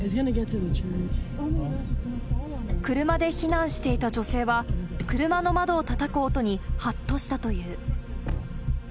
車で避難していた女性は、車の窓をたたく音に、はっとしたという。